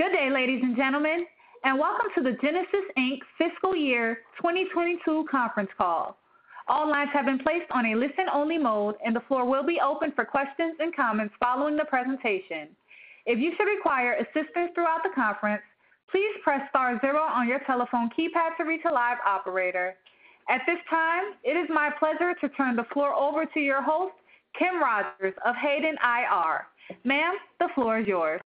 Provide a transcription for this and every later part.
Good day, ladies and gentlemen, and welcome to the Genasys Inc. fiscal year 2022 conference call. All lines have been placed on a listen-only mode, and the floor will be open for questions and comments following the presentation. If you should require assistance throughout the conference, please press star zero on your telephone keypad to reach a live operator. At this time, it is my pleasure to turn the floor over to your host, Kim Rogers of Hayden IR. Ma'am, the floor is yours.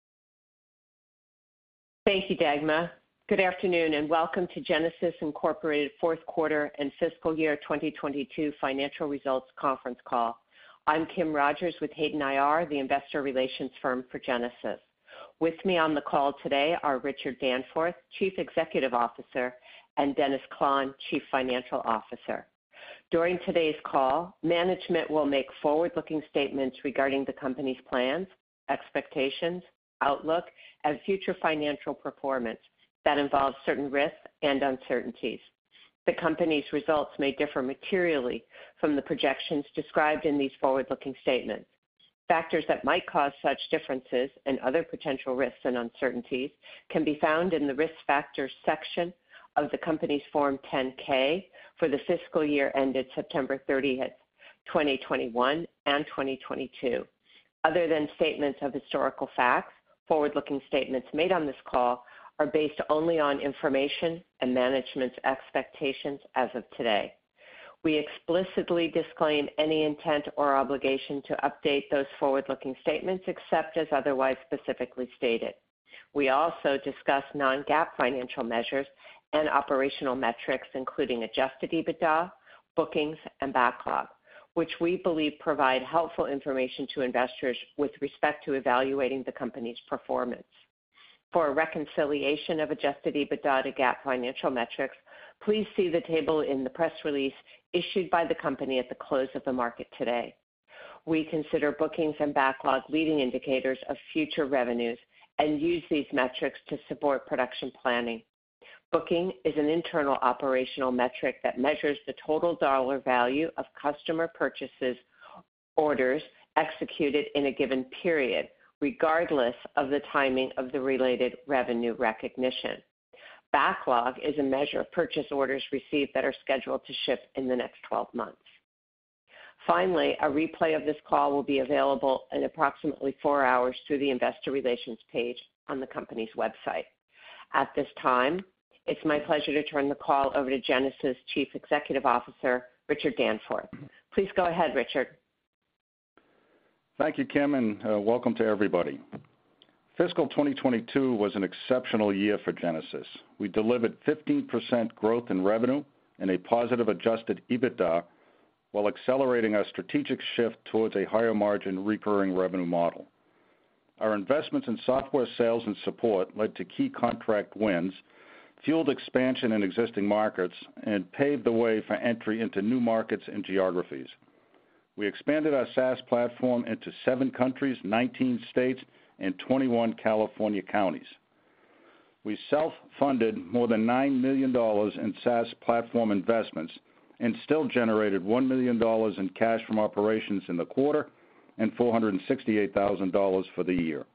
Thank you, Dagma. Good afternoon, welcome to Genasys Incorporated fourth quarter and fiscal year 2022 financial results conference call. I'm Kim Rogers with Hayden IR, the investor relations firm for Genasys. With me on the call today are Richard Danforth, Chief Executive Officer, and Dennis Klahn, Chief Financial Officer. During today's call, management will make forward-looking statements regarding the company's plans, expectations, outlook, and future financial performance that involves certain risks and uncertainties. The company's results may differ materially from the projections described in these forward-looking statements. Factors that might cause such differences and other potential risks and uncertainties can be found in the Risk Factors section of the company's Form 10-K for the fiscal year ended September 30th, 2021 and 2022. Other than statements of historical facts, forward-looking statements made on this call are based only on information and management's expectations as of today. We explicitly disclaim any intent or obligation to update those forward-looking statements except as otherwise specifically stated. We also discuss non-GAAP financial measures and operational metrics, including adjusted EBITDA, bookings, and backlog, which we believe provide helpful information to investors with respect to evaluating the company's performance. For a reconciliation of adjusted EBITDA to GAAP financial metrics, please see the table in the press release issued by the company at the close of the market today. We consider bookings and backlog leading indicators of future revenues and use these metrics to support production planning. Booking is an internal operational metric that measures the total dollar value of customer purchase orders executed in a given period, regardless of the timing of the related revenue recognition. Backlog is a measure of purchase orders received that are scheduled to ship in the next 12 months. Finally, a replay of this call will be available in approximately four hours through the investor relations page on the company's website. At this time, it's my pleasure to turn the call over to Genasys Chief Executive Officer, Richard Danforth. Please go ahead, Richard. Thank you, Kim, and welcome to everybody. Fiscal 2022 was an exceptional year for Genasys. We delivered 15% growth in revenue and a positive adjusted EBITDA while accelerating our strategic shift towards a higher margin recurring revenue model. Our investments in software sales and support led to key contract wins, fueled expansion in existing markets, and paved the way for entry into new markets and geographies. We expanded our SaaS platform into seven countries, 19 states, and 21 California counties. We self-funded more than $9 million in SaaS platform investments and still generated $1 million in cash from operations in the quarter and $468,000 for the year.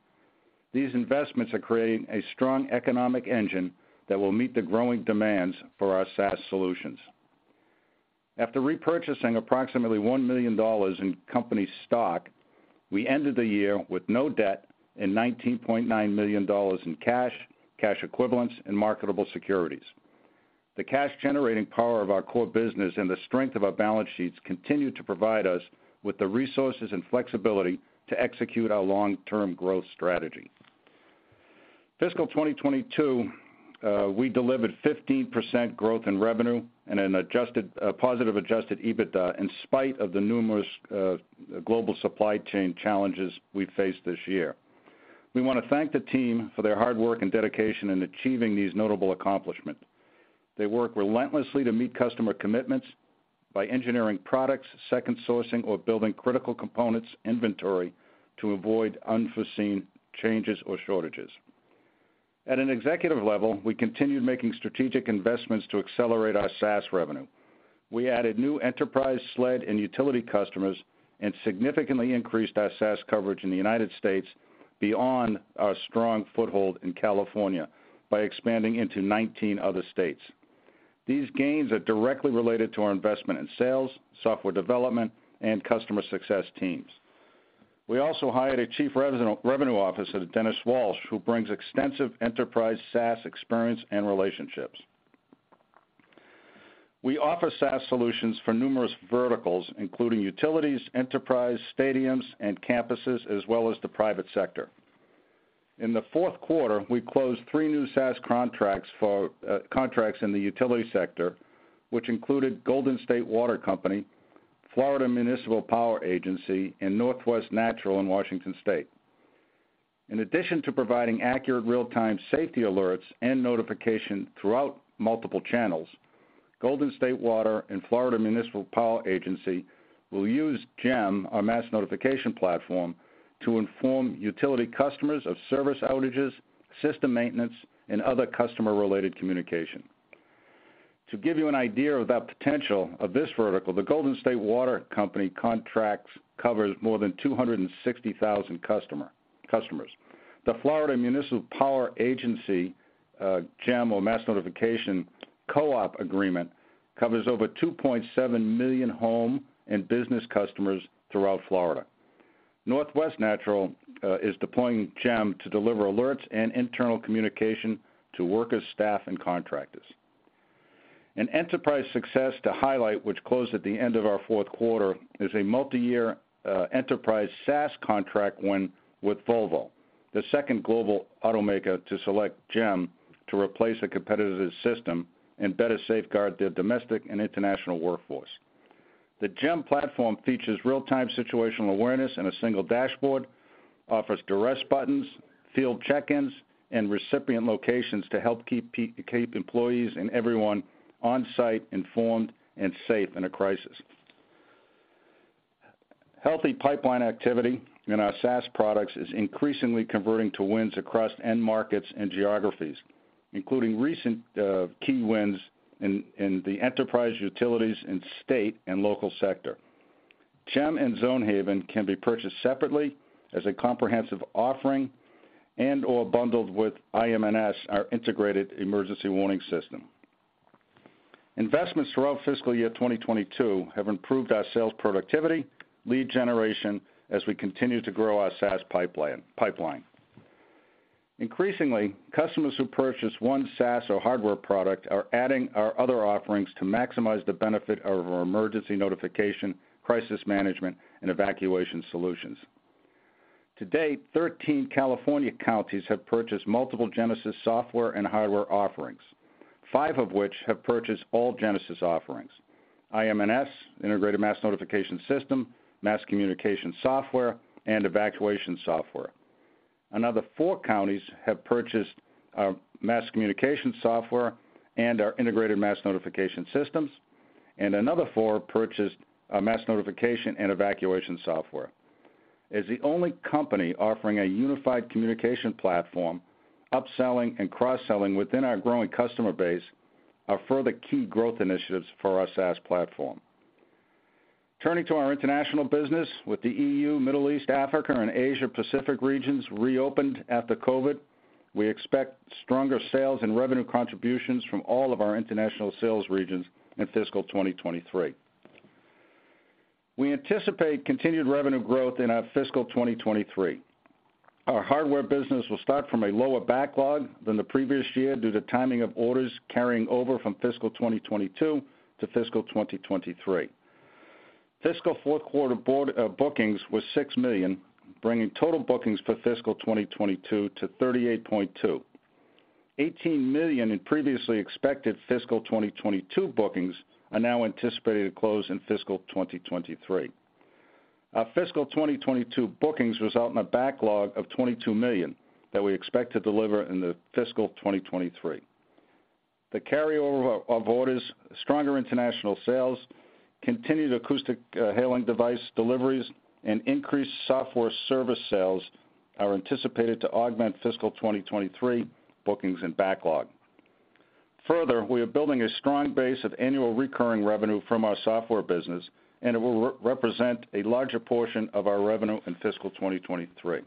These investments are creating a strong economic engine that will meet the growing demands for our SaaS solutions. After repurchasing approximately $1 million in company stock, we ended the year with no debt and $19.9 million in cash equivalents, and marketable securities. The cash-generating power of our core business and the strength of our balance sheets continue to provide us with the resources and flexibility to execute our long-term growth strategy. Fiscal 2022, we delivered 15% growth in revenue and a positive adjusted EBITDA in spite of the numerous global supply chain challenges we faced this year. We want to thank the team for their hard work and dedication in achieving these notable accomplishment. They work relentlessly to meet customer commitments by engineering products, second sourcing, or building critical components inventory to avoid unforeseen changes or shortages. At an executive level, we continued making strategic investments to accelerate our SaaS revenue. We added new enterprise, SLED, and utility customers and significantly increased our SaaS coverage in the United States beyond our strong foothold in California by expanding into 19 other states. These gains are directly related to our investment in sales, software development, and customer success teams. We also hired a Chief Revenue Officer, Dennis Walsh, who brings extensive enterprise SaaS experience and relationships. We offer SaaS solutions for numerous verticals, including utilities, enterprise, stadiums, and campuses, as well as the private sector. In the fourth quarter, we closed three new SaaS contracts in the utility sector, which included Golden State Water Company, Florida Municipal Power Agency, and Northwest Natural in Washington State. In addition to providing accurate real-time safety alerts and notification throughout multiple channels, Golden State Water and Florida Municipal Power Agency will use GEM, our mass notification platform, to inform utility customers of service outages, system maintenance, and other customer-related communication. To give you an idea of that potential of this vertical, the Golden State Water Company contracts covers more than 260,000 customers. The Florida Municipal Power Agency, GEM or mass notification co-op agreement covers over 2.7 million home and business customers throughout Florida. Northwest Natural is deploying GEM to deliver alerts and internal communication to workers, staff, and contractors. An enterprise success to highlight, which closed at the end of our fourth quarter, is a multiyear enterprise SaaS contract win with Volvo, the second global automaker to select GEM to replace a competitive system and better safeguard their domestic and international workforce. The GEM platform features real-time situational awareness in a single dashboard, offers duress buttons, field check-ins, and recipient locations to help keep employees and everyone on-site informed and safe in a crisis. Healthy pipeline activity in our SaaS products is increasingly converting to wins across end markets and geographies, including recent key wins in the enterprise utilities and state and local sector. GEM and Zonehaven can be purchased separately as a comprehensive offering and/or bundled with IMNS, our integrated emergency warning system. Investments throughout fiscal year 2022 have improved our sales productivity, lead generation as we continue to grow our SaaS pipeline. Increasingly, customers who purchase one SaaS or hardware product are adding our other offerings to maximize the benefit of our emergency notification, crisis management, and evacuation solutions. To date, 13 California counties have purchased multiple Genasys software and hardware offerings, five of which have purchased all Genasys offerings, IMNS (Integrated Mass Notification System), mass communication software, and evacuation software. Another four counties have purchased our mass communication software and our integrated mass notification systems, and another four purchased our mass notification and evacuation software. As the only company offering a unified communication platform, upselling and cross-selling within our growing customer base are further key growth initiatives for our SaaS platform. Turning to our international business with the EU, Middle East, Africa, and Asia Pacific regions reopened after COVID, we expect stronger sales and revenue contributions from all of our international sales regions in fiscal 2023. We anticipate continued revenue growth in our fiscal 2023. Our hardware business will start from a lower backlog than the previous year due to timing of orders carrying over from fiscal 2022 to fiscal 2023. Fiscal fourth quarter bookings was $6 million, bringing total bookings for fiscal 2022 to $38.2 million. $18 million in previously expected fiscal 2022 bookings are now anticipated to close in fiscal 2023. Our fiscal 2022 bookings result in a backlog of $22 million that we expect to deliver in the fiscal 2023. The carryover of orders, stronger international sales, continued Acoustic Hailing Device deliveries, and increased software service sales are anticipated to augment fiscal 2023 bookings and backlog. Further, we are building a strong base of annual recurring revenue from our software business, it will represent a larger portion of our revenue in fiscal 2023.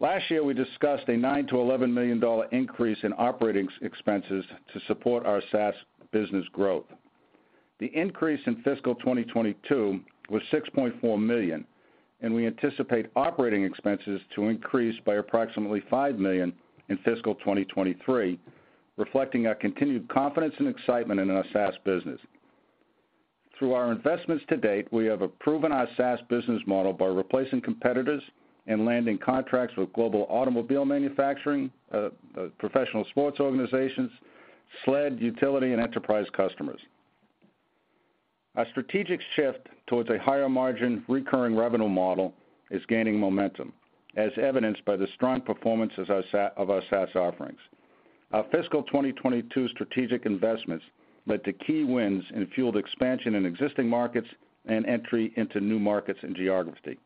Last year, we discussed a $9 million-$11 million increase in operating expenses to support our SaaS business growth. The increase in fiscal 2022 was $6.4 million, and we anticipate operating expenses to increase by approximately $5 million in fiscal 2023, reflecting our continued confidence and excitement in our SaaS business. Through our investments to date, we have proven our SaaS business model by replacing competitors and landing contracts with global automobile manufacturing, professional sports organizations, SLED, utility, and enterprise customers. Our strategic shift towards a higher margin recurring revenue model is gaining momentum, as evidenced by the strong performances of our SaaS offerings. Our fiscal 2022 strategic investments led to key wins and fueled expansion in existing markets and entry into new markets and geography.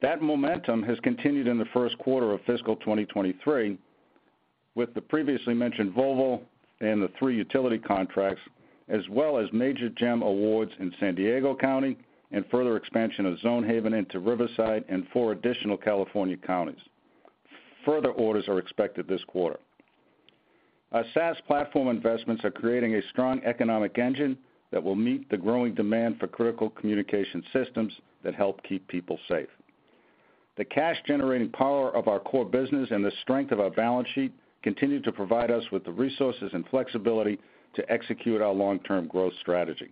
That momentum has continued in the first quarter of fiscal 2023 with the previously mentioned Volvo and the three utility contracts, as well as major GEM awards in San Diego County and further expansion of Zonehaven into Riverside and four additional California counties. Further orders are expected this quarter. Our SaaS platform investments are creating a strong economic engine that will meet the growing demand for critical communication systems that help keep people safe. The cash-generating power of our core business and the strength of our balance sheet continue to provide us with the resources and flexibility to execute our long-term growth strategy.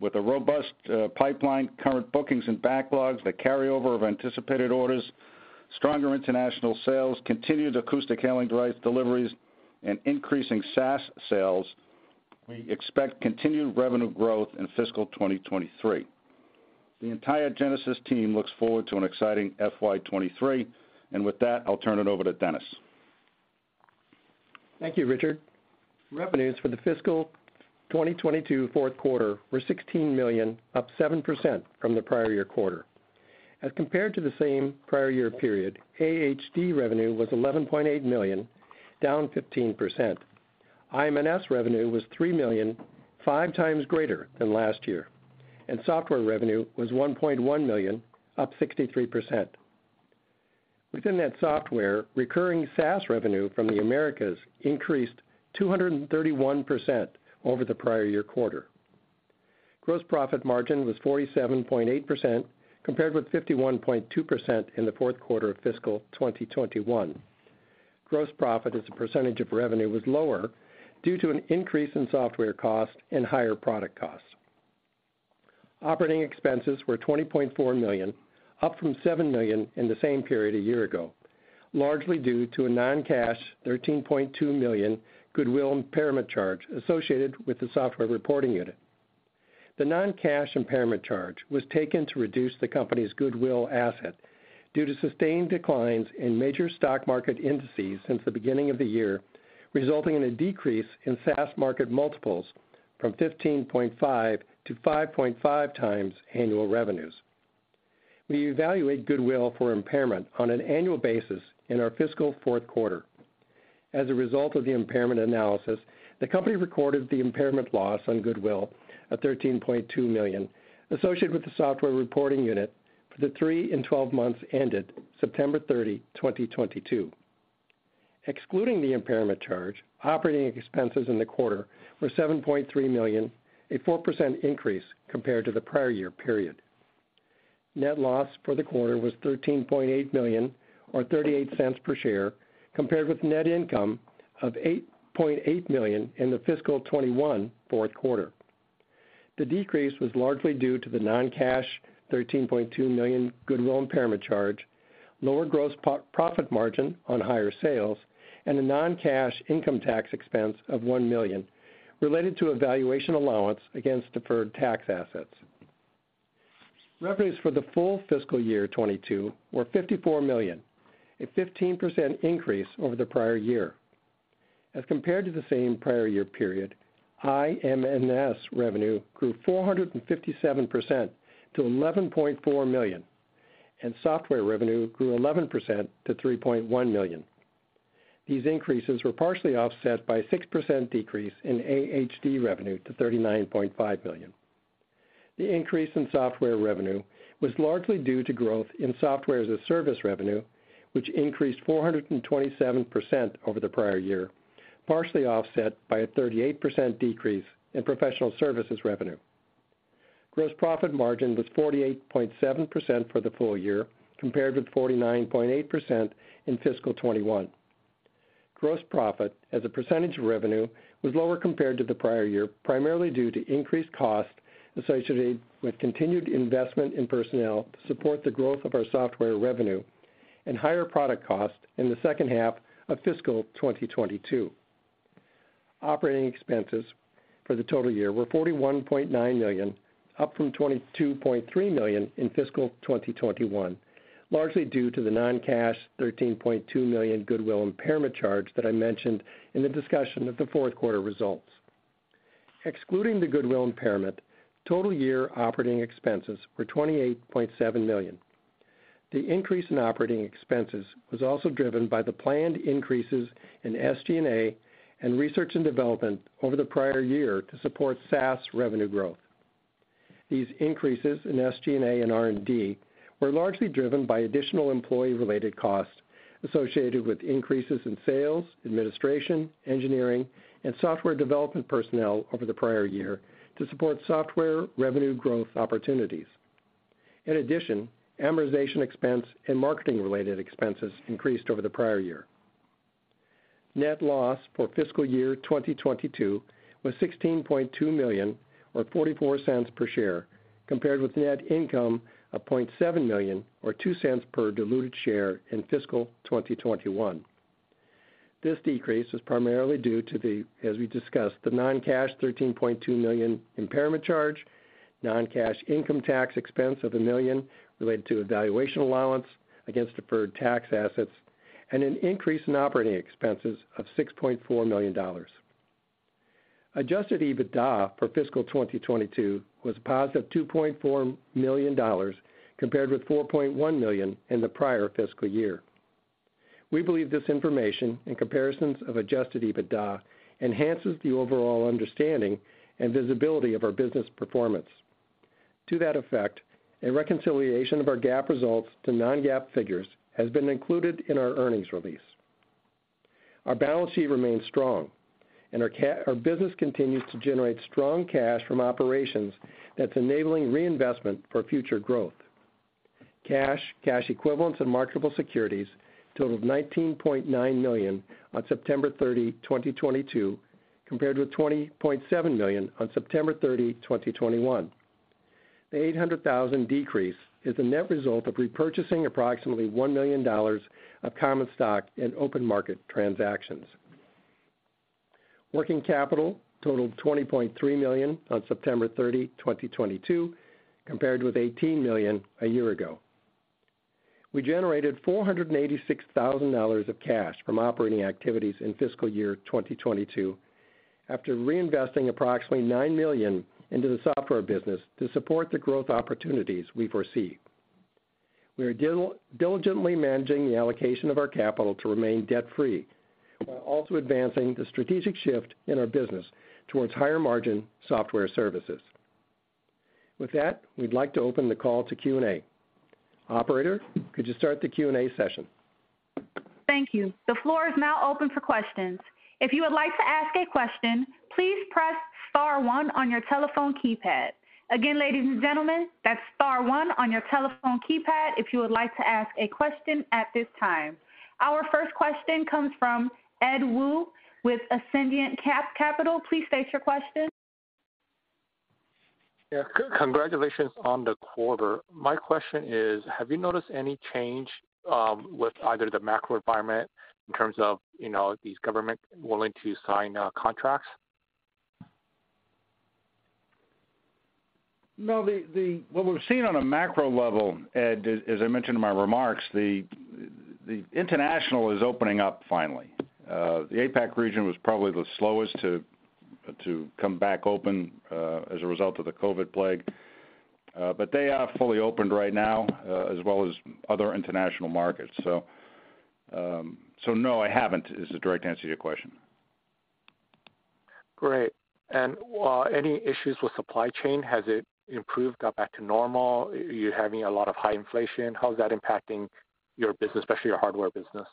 With a robust pipeline, current bookings and backlogs, the carryover of anticipated orders, stronger international sales, continued acoustic hailing device deliveries, and increasing SaaS sales, we expect continued revenue growth in fiscal 2023. The entire Genasys team looks forward to an exciting FY 2023. With that, I'll turn it over to Dennis. Thank you, Richard. Revenues for the fiscal 2022 fourth quarter were $16 million, up 7% from the prior year quarter. As compared to the same prior year period, AHD revenue was $11.8 million, down 15%. IMNS revenue was $3 million, 5x greater than last year, and software revenue was $1.1 million, up 63%. Within that software, recurring SaaS revenue from the Americas increased 231% over the prior year quarter. Gross profit margin was 47.8% compared with 51.2% in the fourth quarter of fiscal 2021. Gross profit as a percentage of revenue was lower due to an increase in software cost and higher product costs. Operating expenses were $20.4 million, up from $7 million in the same period a year ago, largely due to a non-cash $13.2 million goodwill impairment charge associated with the software reporting unit. The non-cash impairment charge was taken to reduce the company's goodwill asset due to sustained declines in major stock market indices since the beginning of the year, resulting in a decrease in SaaS market multiples from 15.5x to 5.5x annual revenues. We evaluate goodwill for impairment on an annual basis in our fiscal fourth quarter. As a result of the impairment analysis, the company recorded the impairment loss on goodwill of $13.2 million associated with the software reporting unit for the three and 12 months ended September 30, 2022. Excluding the impairment charge, operating expenses in the quarter were $7.3 million, a 4% increase compared to the prior year period. Net loss for the quarter was $13.8 million or $0.38 per share, compared with net income of $0.8 million in the fiscal 2021 fourth quarter. The decrease was largely due to the non-cash $13.2 million goodwill impairment charge, lower gross profit margin on higher sales, and a non-cash income tax expense of $1 million related to a valuation allowance against deferred tax assets. Revenues for the full fiscal year 2022 were $54 million, a 15% increase over the prior year. As compared to the same prior year period, IMNS revenue grew 457% to $11.4 million, and software revenue grew 11% to $3.1 million. These increases were partially offset by a 6% decrease in AHD revenue to $39.5 million. The increase in software revenue was largely due to growth in software-as-a-service revenue, which increased 427% over the prior year, partially offset by a 38% decrease in professional services revenue. Gross profit margin was 48.7% for the full year, compared with 49.8% in fiscal 2021. Gross profit as a percentage of revenue was lower compared to the prior year, primarily due to increased cost associated with continued investment in personnel to support the growth of our software revenue and higher product cost in the second half of fiscal 2022. Operating expenses for the total year were $41.9 million, up from $22.3 million in fiscal 2021, largely due to the non-cash $13.2 million goodwill impairment charge that I mentioned in the discussion of the fourth quarter results. Excluding the goodwill impairment, total year operating expenses were $28.7 million. The increase in operating expenses was also driven by the planned increases in SG&A and research and development over the prior year to support SaaS revenue growth. These increases in SG&A and R&D were largely driven by additional employee-related costs associated with increases in sales, administration, engineering, and software development personnel over the prior year to support software revenue growth opportunities. In addition, amortization expense and marketing-related expenses increased over the prior year. Net loss for fiscal year 2022 was $16.2 million or $0.44 per share, compared with net income of $0.7 million or $0.02 per diluted share in fiscal 2021. This decrease was primarily due to the, as we discussed, the non-cash $13.2 million impairment charge, non-cash income tax expense of $1 million related to a valuation allowance against deferred tax assets, and an increase in operating expenses of $6.4 million. Adjusted EBITDA for fiscal 2022 was a positive $2.4 million, compared with $4.1 million in the prior fiscal year. We believe this information and comparisons of adjusted EBITDA enhances the overall understanding and visibility of our business performance. To that effect, a reconciliation of our GAAP results to non-GAAP figures has been included in our earnings release. Our balance sheet remains strong. Our business continues to generate strong cash from operations that's enabling reinvestment for future growth. Cash, cash equivalents and marketable securities totaled $19.9 million on September 30, 2022, compared with $20.7 million on September 30, 2021. The $800,000 decrease is the net result of repurchasing approximately $1 million of common stock in open market transactions. Working capital totaled $20.3 million on September 30, 2022, compared with $18 million a year ago. We generated $486,000 of cash from operating activities in fiscal year 2022 after reinvesting approximately $9 million into the software business to support the growth opportunities we foresee. We are diligently managing the allocation of our capital to remain debt-free while also advancing the strategic shift in our business towards higher margin software services. With that, we'd like to open the call to Q&A. Operator, could you start the Q&A session? Thank you. The floor is now open for questions. If you would like to ask a question, please press star one on your telephone keypad. Again, ladies and gentlemen, that's star one on your telephone keypad if you would like to ask a question at this time. Our first question comes from Edward Woo with Ascendiant Capital. Please state your question. Yeah. Congratulations on the quarter. My question is, have you noticed any change with either the macro environment in terms of, you know, is government willing to sign contracts? No, what we've seen on a macro level, Ed, as I mentioned in my remarks, the international is opening up finally. The APAC region was probably the slowest to come back open as a result of the COVID plague. They are fully opened right now as well as other international markets. No, I haven't, is the direct answer to your question. Great. Any issues with supply chain? Has it improved, got back to normal? Are you having a lot of high inflation? How is that impacting your business, especially your hardware business?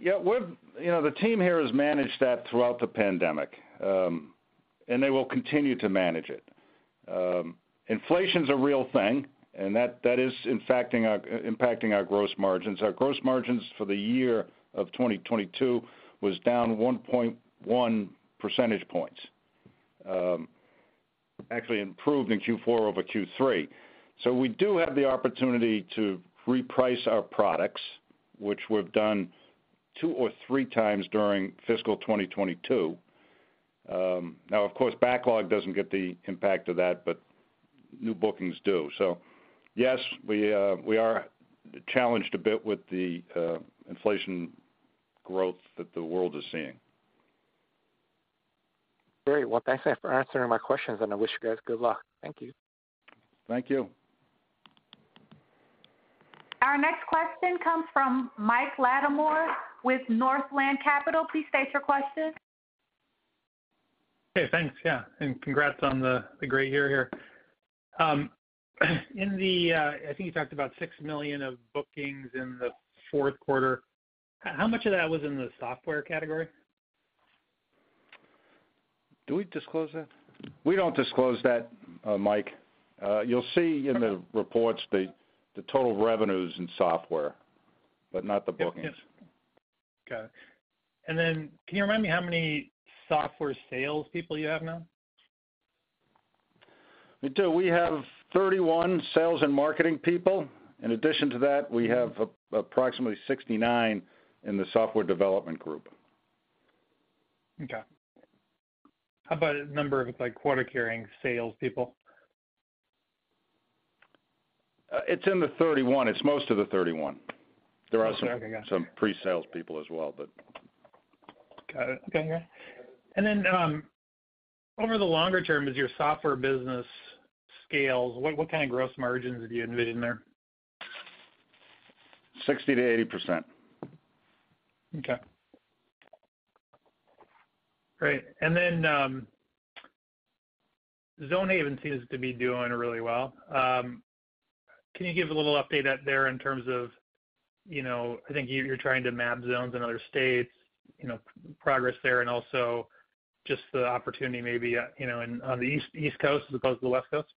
You know, the team here has managed that throughout the pandemic, and they will continue to manage it. Inflation's a real thing, and that is impacting our gross margins. Our gross margins for the year of 2022 was down 1.1 percentage points, actually improved in Q4 over Q3. We do have the opportunity to reprice our products, which we've done 2x or 3x during fiscal 2022. Now, of course, backlog doesn't get the impact of that, but new bookings do. Yes, we are challenged a bit with the inflation growth that the world is seeing. Great. Well, thanks, for answering my questions, and I wish you guys good luck. Thank you. Thank you. Our next question comes from Mike Latimore with Northland Capital. Please state your question. Hey, thanks. Yeah, congrats on the great year here. I think you talked about $6 million of bookings in the fourth quarter. How much of that was in the software category? Do we disclose that? We don't disclose that, Mike. You'll see. Okay... reports the total revenues in software, but not the bookings. Yep. Yes. Got it. Can you remind me how many software sales people you have now? I do. We have 31 sales and marketing people. In addition to that, we have approximately 69 in the software development group. Okay. How about a number of like quota-carrying sales people? It's in the 31. It's most of the 31. Okay. Got you.... some pre-sales people as well, but... Got it. Okay, yeah. Then, over the longer term, as your software business scales, what kind of gross margins are you envisioning there? 60%-80%. Okay. Great. Zonehaven seems to be doing really well. Can you give a little update at there in terms of, you know, I think you're trying to map zones in other states, you know, progress there and also just the opportunity maybe, you know, in, on the East Coast as opposed to the West Coast?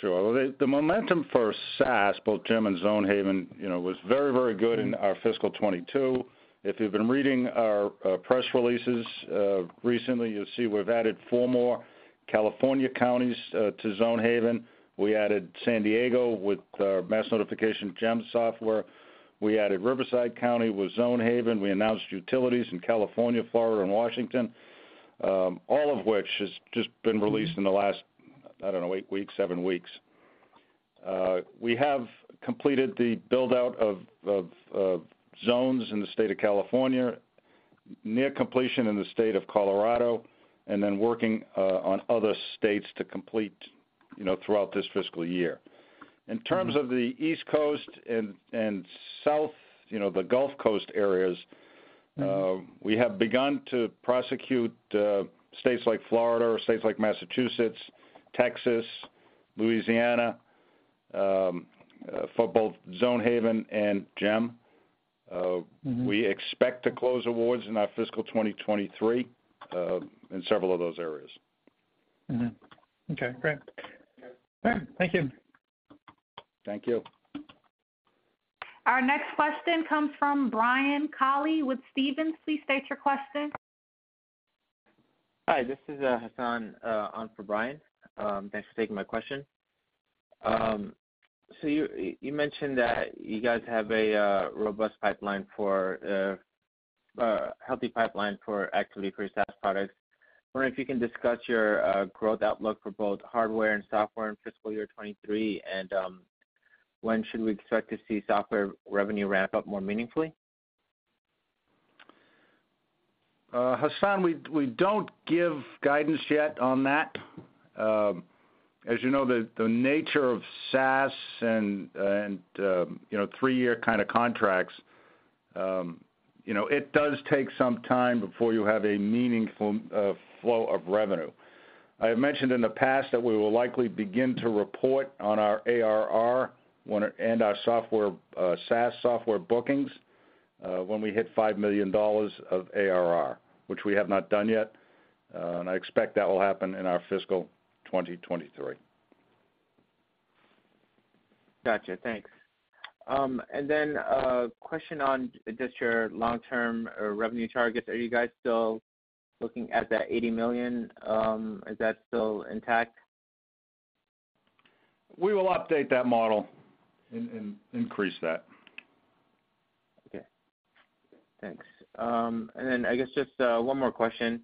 Sure. The momentum for SaaS, both GEM and Zonehaven, you know, was very, very good in our fiscal 2022. If you've been reading our press releases recently, you'll see we've added four more California counties to Zonehaven. We added San Diego with our mass notification GEM software. We added Riverside County with Zonehaven. We announced utilities in California, Florida, and Washington, all of which has just been released in the last, I don't know, eight weeks, seven weeks. We have completed the build-out of Zones in the state of California, near completion in the state of Colorado, and then working on other states to complete, you know, throughout this fiscal year. In terms of the East Coast and South, you know, the Gulf Coast areas, we have begun to prosecute states like Florida or states like Massachusetts, Texas, Louisiana, for both Zonehaven and GEM. Mm-hmm We expect to close awards in our fiscal 2023, in several of those areas. Mm-hmm. Okay. Great. All right. Thank you. Thank you. Our next question comes from Brian Colley with Stephens. Please state your question. Hi. This is Hassan on for Brian. Thanks for taking my question. You mentioned that you guys have a healthy pipeline for activity for your SaaS products. Wondering if you can discuss your growth outlook for both hardware and software in fiscal year 2023, when should we expect to see software revenue ramp up more meaningfully? Hassan, we don't give guidance yet on that. As you know, the nature of SaaS and, you know, three-year kind of contracts, you know, it does take some time before you have a meaningful flow of revenue. I have mentioned in the past that we will likely begin to report on our ARR and our software, SaaS software bookings, when we hit $5 million of ARR, which we have not done yet, and I expect that will happen in our fiscal 2023. Gotcha. Thanks. A question on just your long-term revenue targets. Are you guys still looking at that $80 million? Is that still intact? We will update that model and increase that. Okay. Thanks. One more question.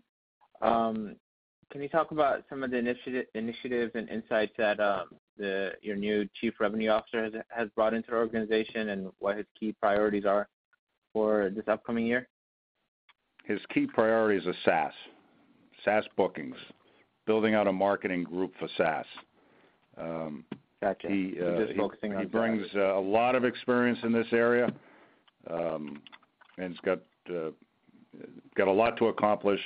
Can you talk about some of the initiatives and insights that your new Chief Revenue Officer has brought into our organization and what his key priorities are for this upcoming year? His key priorities are SaaS bookings, building out a marketing group for SaaS. Gotcha. He- Just focusing on SaaS. He brings a lot of experience in this area. He's got a lot to accomplish.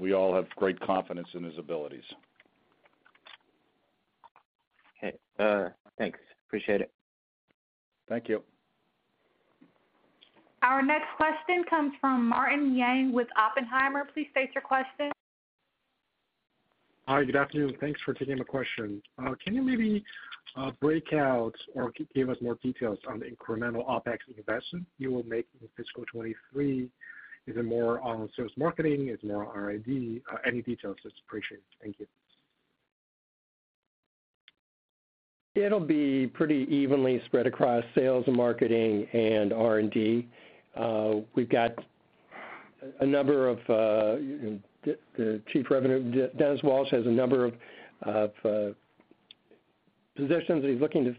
We all have great confidence in his abilities. Okay. Thanks. Appreciate it. Thank you. Our next question comes from Martin Yang with Oppenheimer. Please state your question. Hi, good afternoon. Thanks for taking my question. Can you maybe, break out or give us more details on the incremental OpEx investment you will make in fiscal 2023? Is it more on sales marketing? Is it more on R&D? Any details is appreciated. Thank you. It'll be pretty evenly spread across sales and marketing and R&D. We've got a number of the chief revenue, Dennis Walsh, has a number of positions that he's looking to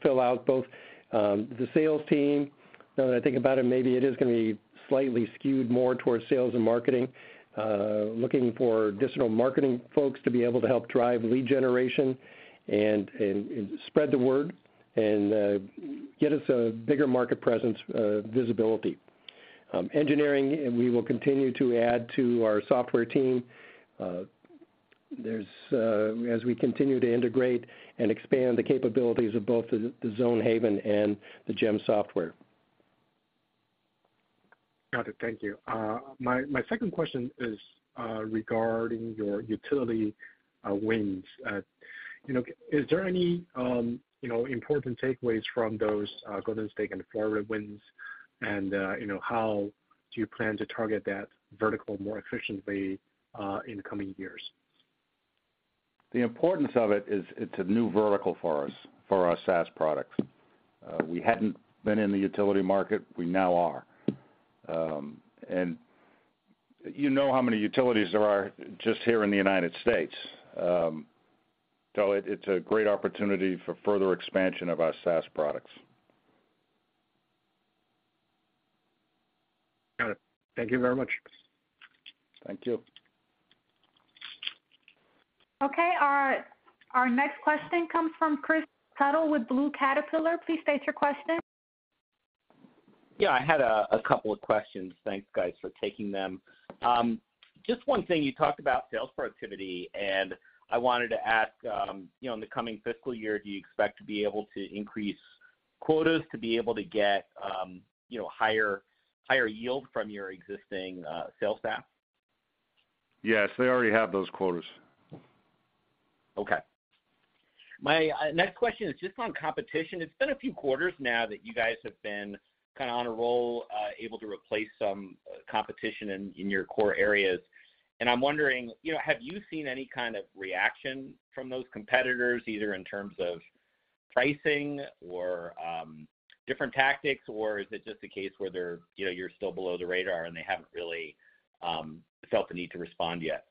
fill out both the sales team. Now that I think about it, maybe it is gonna be slightly skewed more towards sales and marketing, looking for additional marketing folks to be able to help drive lead generation and spread the word and get us a bigger market presence, visibility. Engineering, and we will continue to add to our software team. There's as we continue to integrate and expand the capabilities of both the Zonehaven and the GEM software. Got it. Thank you. My second question is regarding your utility wins. You know, is there any, you know, important takeaways from those Golden State and Florida wins? You know, how do you plan to target that vertical more efficiently in the coming years? The importance of it is it's a new vertical for us, for our SaaS products. We hadn't been in the utility market, we now are. You know how many utilities there are just here in the United States. It's a great opportunity for further expansion of our SaaS products. Got it. Thank you very much. Thank you. Our next question comes from Kris Tuttle with Blue Caterpillar. Please state your question. Yeah, I had a couple of questions. Thanks, guys, for taking them. Just one thing, you talked about sales productivity, and I wanted to ask, you know, in the coming fiscal year, do you expect to be able to increase quotas to be able to get, you know, higher yield from your existing sales staff? Yes, they already have those quotas. Okay. My, next question is just on competition. It's been a few quarters now that you guys have been kind of on a roll, able to replace some competition in your core areas. I'm wondering, you know, have you seen any kind of reaction from those competitors, either in terms of pricing or, different tactics, or is it just a case where they're, you know, you're still below the radar and they haven't really, felt the need to respond yet?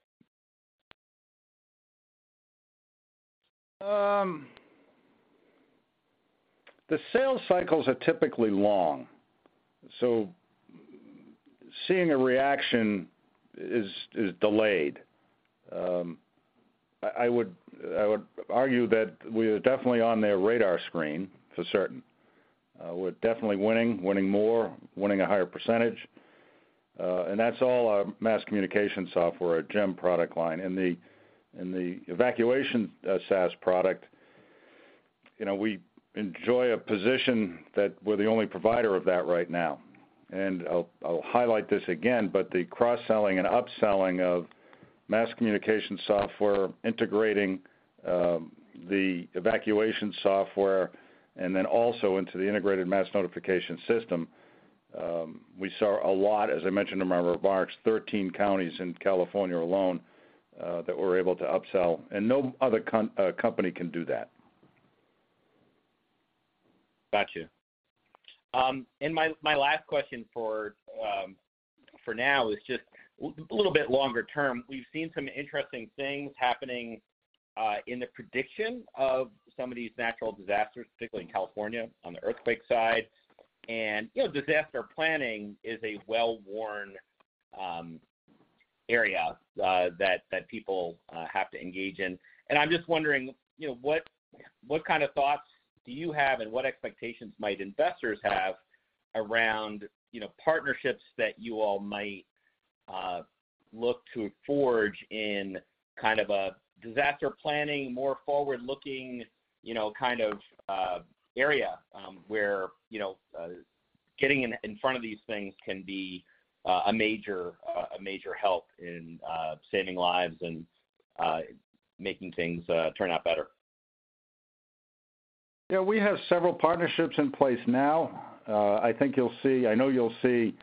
The sales cycles are typically long, seeing a reaction is delayed. We're definitely on their radar screen for certain. We're definitely winning more, winning a higher percentage, that's all our mass communication software, our GEM product line. In the evacuation SaaS product, you know, we enjoy a position that we're the only provider of that right now. I'll highlight this again, the cross-selling and upselling of mass communication software integrating the evacuation software also into the Integrated Mass Notification System, we saw a lot, as I mentioned in my remarks, 13 counties in California alone, that we're able to upsell. No other company can do that. Gotcha. My, my last question for now is just little bit longer term. We've seen some interesting things happening in the prediction of some of these natural disasters, particularly in California on the earthquake side. You know, disaster planning is a well-worn area that people have to engage in. I'm just wondering, you know, what kind of thoughts do you have and what expectations might investors have around, you know, partnerships that you all might look to forge in kind of a disaster planning, more forward-looking, you know, kind of area, where, you know, getting in front of these things can be a major help in saving lives and making things turn out better? Yeah, we have several partnerships in place now. I know you'll see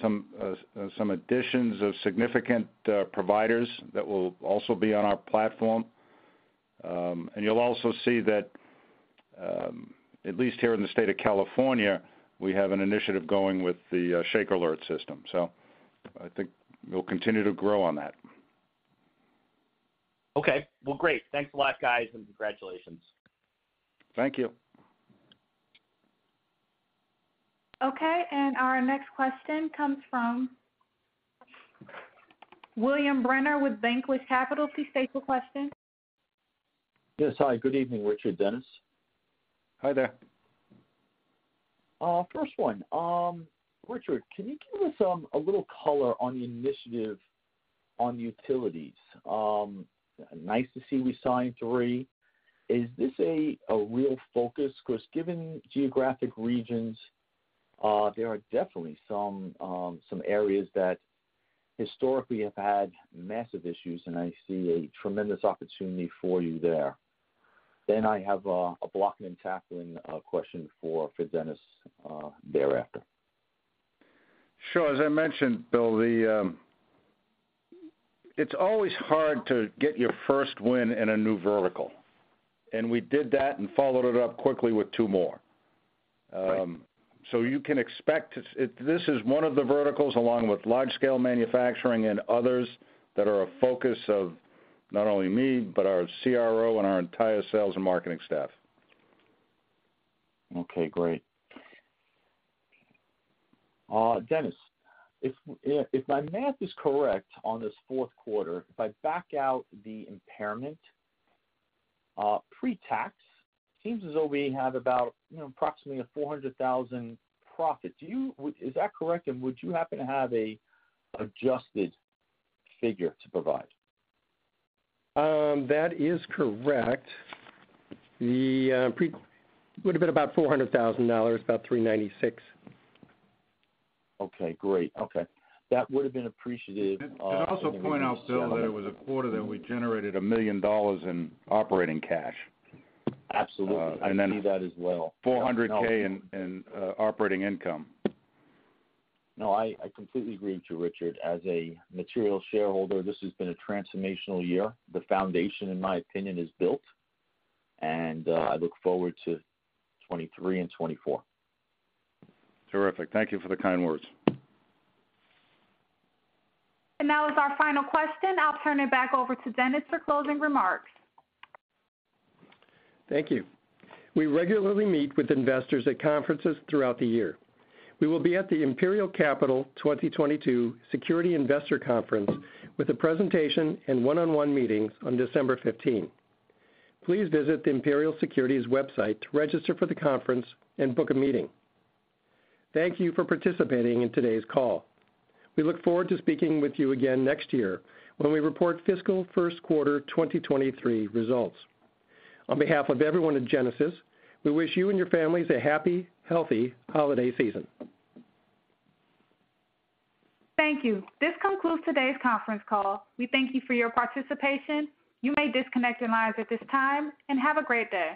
some additions of significant providers that will also be on our platform. And you'll also see that, at least here in the state of California, we have an initiative going with the ShakeAlert system. I think we'll continue to grow on that. Okay. Well, great. Thanks a lot, guys. Congratulations. Thank you. Okay, our next question comes from William Bremer with Vanquish Capital. Please state the question. Yes. Hi, good evening, Richard, Dennis. Hi there. First one. Richard, can you give us a little color on the initiative on utilities? Nice to see we signed three. Is this a real focus? 'Cause given geographic regions, there are definitely some areas that historically have had massive issues, and I see a tremendous opportunity for you there. I have a blocking and tackling question for Dennis thereafter. Sure. As I mentioned, Bill, It's always hard to get your first win in a new vertical, and we did that and followed it up quickly with two more. Right. You can expect This is one of the verticals, along with large scale manufacturing and others, that are a focus of not only me, but our CRO and our entire sales and marketing staff. Okay, great. Dennis, if my math is correct on this fourth quarter, if I back out the impairment, pre-tax, seems as though we have about, you know, approximately a $400,000 profit. Is that correct, and would you happen to have a adjusted figure to provide? That is correct. The would have been about $400,000, about $396,000. Okay, great. Okay. That would have been appreciated. I'd also point out, Bill, that it was a quarter that we generated $1 million in operating cash. Absolutely. Uh, and then- I see that as well.... $400K in operating income. No, I completely agree with you, Richard. As a material shareholder, this has been a transformational year. The foundation, in my opinion, is built, and I look forward to 2023 and 2024. Terrific. Thank you for the kind words. That was our final question. I'll turn it back over to Dennis for closing remarks. Thank you. We regularly meet with investors at conferences throughout the year. We will be at the Imperial Capital 2022 Security Investor Conference with a presentation and one-on-one meetings on December 15. Please visit the Imperial Securities website to register for the conference and book a meeting. Thank you for participating in today's call. We look forward to speaking with you again next year when we report fiscal first quarter 2023 results. On behalf of everyone at Genasys, we wish you and your families a happy, healthy holiday season. Thank you. This concludes today's conference call. We thank you for your participation. You may disconnect your lines at this time. Have a great day.